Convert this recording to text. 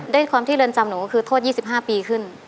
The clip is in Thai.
ด้วยความที่เรือนจำหนูก็คือโทษ๒๕ปีขึ้น